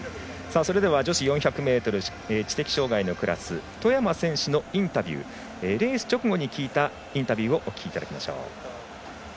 女子４００ｍ知的障がいのクラス外山選手のレース直後に聞いたインタビューをお聞きいただきましょう。